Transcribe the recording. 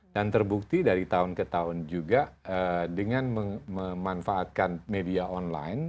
dan terbukti dari tahun ke tahun juga dengan memanfaatkan media online